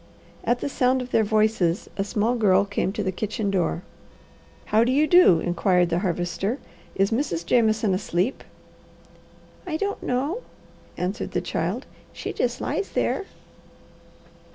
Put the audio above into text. At the sound of their voices a small girl came to the kitchen door. "How do you do?" inquired the Harvester. "Is Mrs. Jameson asleep?" "I don't know," answered the child. "She just lies there."